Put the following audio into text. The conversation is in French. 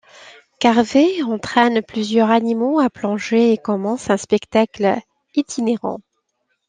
Carver entraîne plusieurs animaux à plonger et commence un spectacle itinérant.